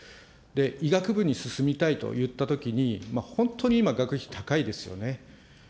医学部に進みたいといったときに、本当に今、学費高いですよね。